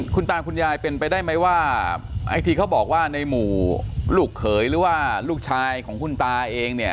คุณตาคุณยายเป็นไปได้ไหมว่าไอ้ที่เขาบอกว่าในหมู่ลูกเขยหรือว่าลูกชายของคุณตาเองเนี่ย